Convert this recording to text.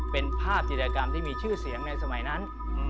เป็นภาพจิตรกรรมที่มีชื่อเสียงในสมัยนั้น